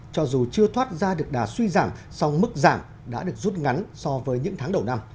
cho dù chưa thoát ra được đà suy giảm song mức giảm đã được rút ngắn so với những tháng đầu năm